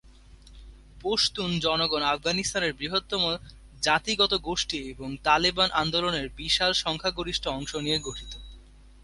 পশতুন জনগণ আফগানিস্তানের বৃহত্তম জাতিগত গোষ্ঠী এবং তালেবান আন্দোলনের বিশাল সংখ্যাগরিষ্ঠ অংশ নিয়ে গঠিত।